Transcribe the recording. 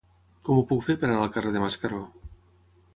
Com ho puc fer per anar al carrer de Mascaró?